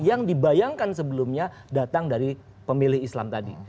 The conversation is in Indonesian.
yang dibayangkan sebelumnya datang dari pemilih islam tadi